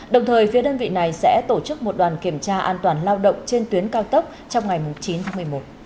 đồng thời phía đơn vị này sẽ tổ chức một đoàn kiểm tra an toàn lao động trên tuyến cao tốc trong ngày chín tháng một mươi một